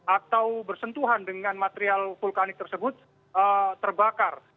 atau bersentuhan dengan material vulkanik tersebut terbakar